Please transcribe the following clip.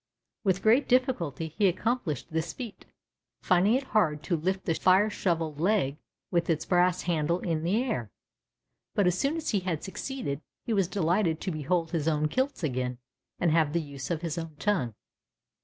With great difficulty he accomplished this feat, finding it hard to lift the fire shovel leg with its brass handle in the air, but as soon as he had succeeded he was delighted to behold his own kilts again and have the use of his own tongue.